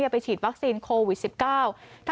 ไปฉีดวัคซีนโควิด๑๙